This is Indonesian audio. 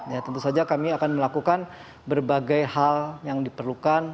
ya tentu saja kami akan melakukan berbagai hal yang diperlukan